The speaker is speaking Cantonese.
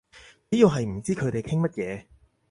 主要係唔知佢哋傾乜嘢